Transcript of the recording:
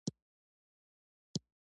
اوړي د افغانستان د اقلیمي نظام ښکارندوی ده.